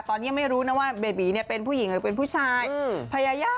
ตอนนี้ไม่รู้นะว่าเบบีเนี่ยเป็นผู้หญิงหรือเป็นผู้ชาย่า